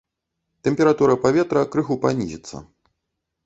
Тэмпература паветра крыху панізіцца.